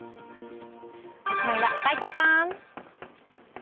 おしまいは、齋藤さん！